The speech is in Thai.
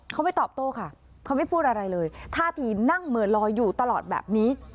เขาไม่ตอบโต้ค่ะเขาไม่พูดอะไรเลยท่าทีนั่งเหมือนลอยอยู่ตลอดแบบนี้